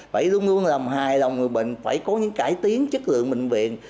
phải luôn luôn làm hài lòng người bệnh phải có những cải tiến chất lượng bệnh viện